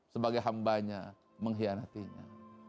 sebagai hambanya menghianatinya